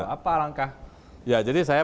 apa langkah ya jadi saya